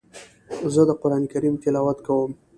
زه د قرآن کريم تلاوت کوم.